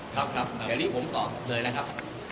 ครับครับอย่ารีบผมตอบเลยนะครับ